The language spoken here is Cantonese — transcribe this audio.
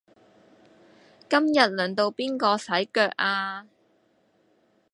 今日輪到邊個洗腳呀